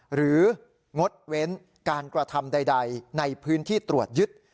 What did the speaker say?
งดเว้นการกระทำใดในพื้นที่ตรวจยึด